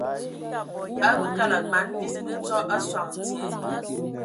A bə kəlǝg mana vis mǝtsɔ a sɔŋ dzie.